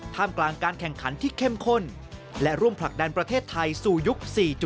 กลางการแข่งขันที่เข้มข้นและร่วมผลักดันประเทศไทยสู่ยุค๔๐